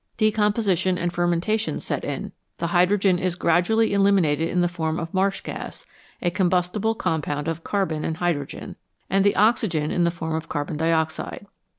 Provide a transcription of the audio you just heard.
De composition and fermentation set in, the hydrogen is gradually eliminated in the form of marsh gas a com bustible compound of carbon and hydrogen and the oxygen in the form of carbon dioxide.